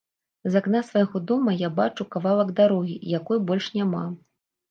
З акна свайго дома я бачу кавалак дарогі, якой больш няма.